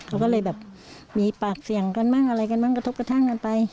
เขาก็เลยแบบมีปากเสียงกันบ้างอะไรกันบ้างกระทบกระทั่งกันไป